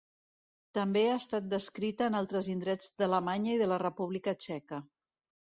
També ha estat descrita en altres indrets d'Alemanya i de la República Txeca.